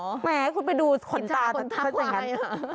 ไม่ให้คุณไปดูขนตาเข้าใจอย่างนั้น